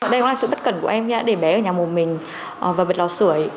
đây là sự bất cẩn của em để bé ở nhà một mình và bật lò sửa